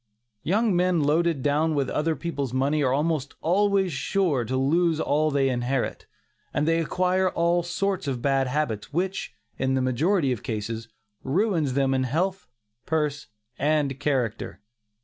Young men loaded down with other people's money are almost sure to lose all they inherit, and they acquire all sorts of bad habits which, in the majority of cases, ruins them in health, purse and character.